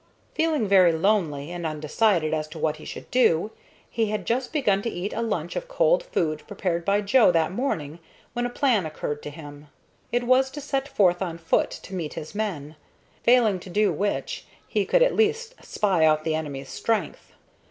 Feeling very lonely, and undecided as to what he should do, he had just begun to eat a lunch of cold food prepared by Joe that morning when a plan occurred to him. It was to set forth on foot to meet his men, failing to do which he could at least spy out the enemy's strength.